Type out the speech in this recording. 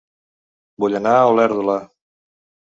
Vull anar a Olèrdola